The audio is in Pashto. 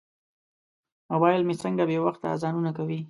موبایل مې څنګه بې وخته اذانونه کوي.